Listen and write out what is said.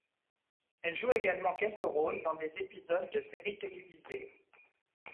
Elle joue également quelques rôles dans des épisodes de séries télévisées.